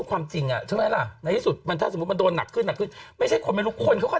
อ่ะจริงป่ะเวลาอ่านคอมเมนต์ข้างใต้คนนี้คนก็รู้หมดอยู่แล้ว